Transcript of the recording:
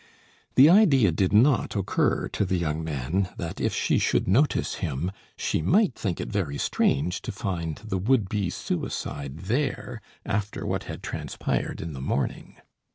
The idea did not occur to the young man that, if she should notice him, she might think it very strange to find the would be suicide there after what had transpired in the morning.